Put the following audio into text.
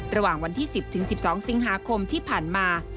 ระหว่างวันที่๑๐๑๒สิงหาคมที่ผ่านมา